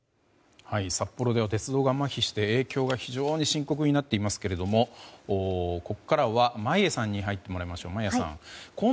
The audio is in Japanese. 札幌では鉄道がまひして影響が非常に深刻になっていますがここからは眞家さんに入ってもらいましょう。